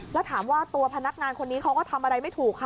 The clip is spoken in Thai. แล้วถามว่าตัวพนักงานคนนี้เขาก็ทำอะไรไม่ถูกค่ะ